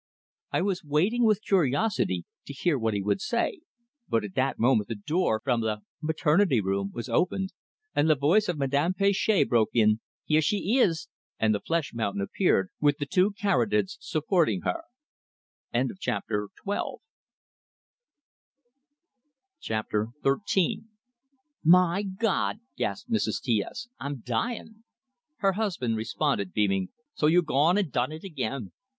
I was waiting with curiosity to hear what he would say; but at that moment the door from the "maternity room" was opened, and the voice of Madame Planchet broke in: "Here she ees!" And the flesh mountain appeared, with the two caryatids supporting her. XIII "My Gawd!" gasped Mrs. T S. "I'm dyin'!" Her husband responded, beaming, "So you gone and done it again!"